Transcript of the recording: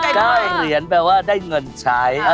ได้เหรียญแปลว่าได้เงินใช้